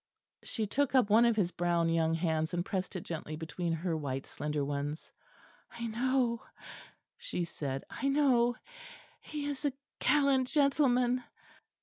She took up one of his brown young hands and pressed it gently between her white slender ones. "I know," she said, "I know; he is a gallant gentleman."